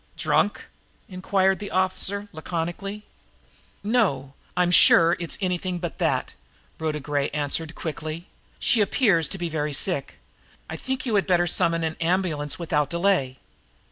"Drunk?" inquired the officer laconically. "No, I'm sure it's anything but that," Rhoda Gray answered quickly. "She appears to be very sick. I think you had better summon an ambulance without delay."